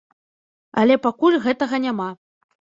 Але пакуль гэтага няма.